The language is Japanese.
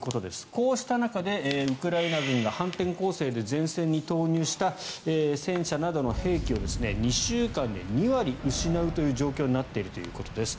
こうした中でウクライナ軍が反転攻勢で前線に投入した戦車などの兵器を２週間で２割失う状況になっているということです。